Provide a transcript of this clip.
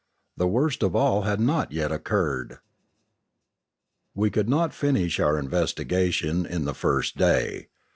The worst of all had not yet occurred. We could not finish our investigation in the first day.